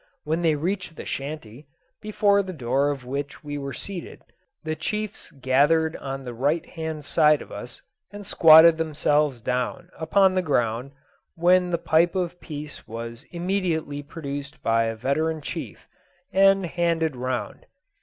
When they reached the shanty, before the door of which we were seated, the chiefs gathered on the right hand side of us, and squatted themselves down upon the ground, when the pipe of peace was immediately produced by a veteran chief, and handed round.